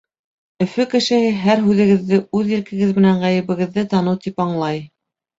Өфө кешеһе һәр һүҙегеҙҙе үҙ иркегеҙ менән ғәйебегеҙҙе таныу тип аңлай.